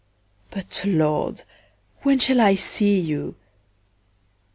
But, Lord, when shall I see you?